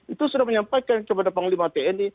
itu sudah menyampaikan kepada panglima tni